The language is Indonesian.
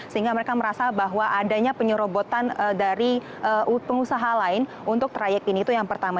sehingga mereka merasa bahwa adanya penyerobotan dari pengusaha lain untuk trayek ini itu yang pertama